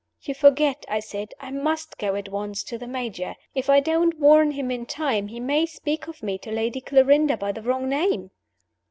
"You forget," I said "I must go at once to the Major. If I don't warn him in time, he may speak of me to Lady Clarinda by the wrong name."